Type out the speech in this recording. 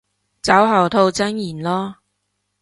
酒後吐真言囉